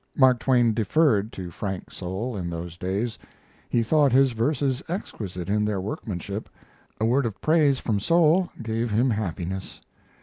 Mark Twain deferred to Frank Soule in those days. He thought his verses exquisite in their workmanship; a word of praise from Soule gave him happiness.